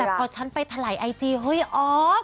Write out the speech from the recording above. แต่พอฉันไปถลายไอจีเฮ้ยออฟ